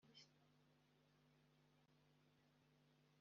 Kuba yarageze mu Rwanda bwa mbere akajya mu gitaramo cyahombye